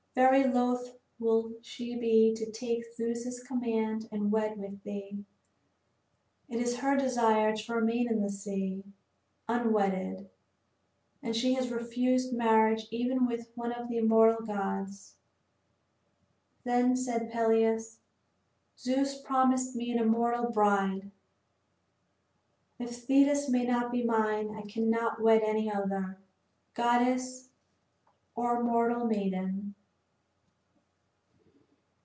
Very loath will she be to take Zeus's command and wed with thee. It is her desire to remain in the sea, unwedded, and she has refused marriage even with one of the immortal gods." Then said Peleus, "Zeus promised me an immortal bride. If Thetis may not be mine I cannot wed any other, goddess or mortal maiden."